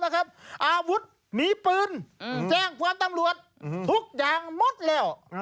หนูแข็งพร็อตมีมีปืนแจ้งฟ้าตำรวจทุกอย่างมดแล้ว